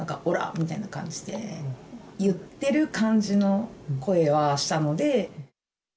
みたいな感じで言ってる感じの声はしたので。